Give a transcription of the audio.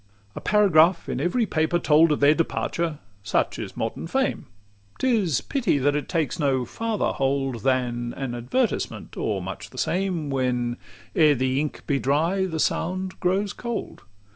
LI A paragraph in every paper told Of their departure: such is modern fame: 'T is pity that it takes no farther hold Than an advertisement, or much the same; When, ere the ink be dry, the sound grows cold.